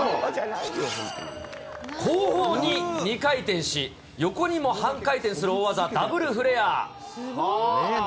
後方に２回転し、横にも半回転する大技、ダブルフレア。